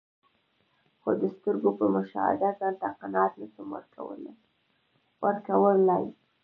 خو د سترګو په مشاهده ځانته قناعت نسم ورکول لای.